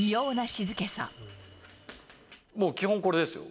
もう基本、これですよ。